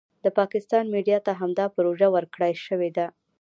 د پاکستان میډیا ته همدا پروژه ورکړای شوې ده.